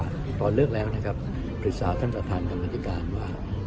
ก็ปรึกษาตอนเลือกแล้วนะครับปรึกษาท่านประธานกรรมนตริการว่า